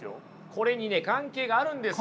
これにね関係があるんですよ！